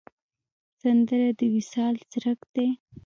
سندره د وصال څرک دی